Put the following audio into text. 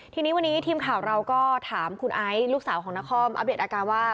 ทีนี้วันนี้ทีมข่าวเราก็ถามคุณไอซ์ลูกสาวของนครอัปเดตอาการว่า